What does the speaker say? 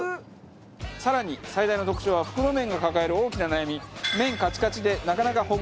更に最大の特徴は袋麺が抱える大きな悩み。